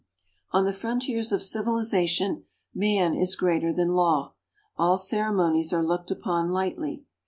On the frontiers of civilization man is greater than law all ceremonies are looked upon lightly.